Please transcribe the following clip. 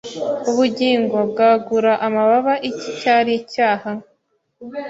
Ubugingo bwagura amababa iki cyari icyaha